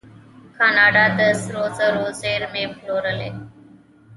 کاناډا د سرو زرو زیرمې پلورلي.